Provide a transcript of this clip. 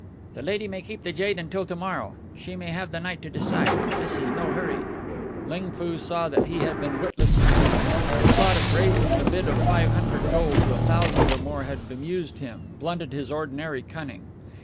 "The lady may keep the jade until to morrow. She may have the night to decide. This is no hurry." Ling Foo saw that he had been witless indeed. The thought of raising the bid of five hundred gold to a thousand or more had bemused him, blunted his ordinary cunning.